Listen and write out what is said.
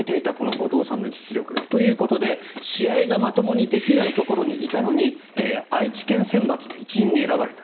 後藤さんの実力が。ということで、試合がまともにできないところにいたのに愛知県選抜の一員に選ばれた。